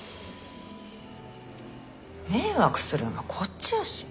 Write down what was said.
迷惑するのこっちやし。